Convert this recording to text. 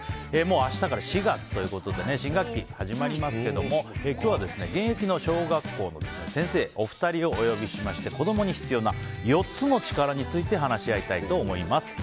明日から４月ということで新学期が始まりますが今日は現役小学校の先生お二人をお呼びしまして子供に必要な４つの力について話し合いたいと思います。